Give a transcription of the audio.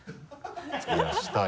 いやしたよ。